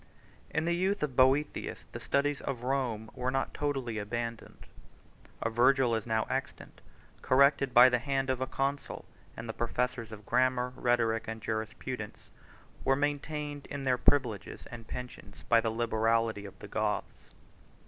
In the youth of Boethius the studies of Rome were not totally abandoned; a Virgil 90 is now extant, corrected by the hand of a consul; and the professors of grammar, rhetoric, and jurisprudence, were maintained in their privileges and pensions by the liberality of the Goths.